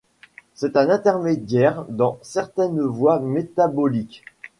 C'est un intermédiaire dans certaines voies métaboliques.